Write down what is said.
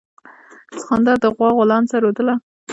سخوندر د غوا غولانځه رودله.